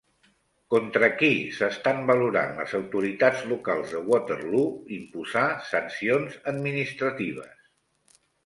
Contra qui s'estan valorant les autoritats locals de Waterloo imposar sancions administratives?